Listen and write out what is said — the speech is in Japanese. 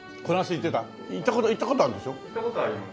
行った事あります。